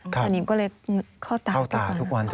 สนิมก็เลยเข้าตาทุกวัน